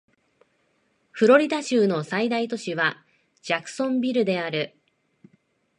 フロリダ州の最大都市はジャクソンビルである